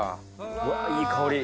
うわいい香り。